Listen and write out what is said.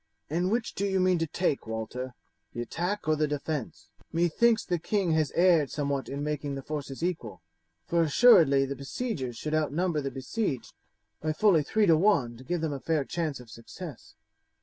"And which do you mean to take, Walter, the attack or the defence? Methinks the king has erred somewhat in making the forces equal, for assuredly the besiegers should outnumber the besieged by fully three to one to give them a fair chance of success."